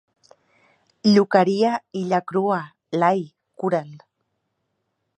Llucaria illa crua l'ai, cura'l.